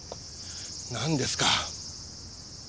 なんですか？